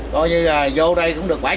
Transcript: coi như vô đây cũng được bảy mươi hồ dân